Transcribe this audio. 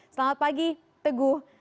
selamat pagi teguh